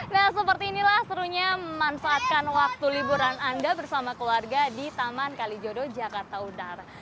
nah seperti inilah serunya memanfaatkan waktu liburan anda bersama keluarga di taman kalijodo jakarta utara